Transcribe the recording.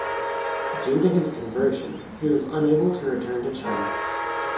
Due to his conversion, he was unable to return to China.